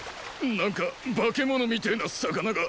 なんか化け物みてぇな魚が。